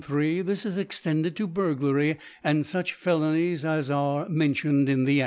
this is extended to Burglary, and fuoh Felonies* as are mentioned in the A&.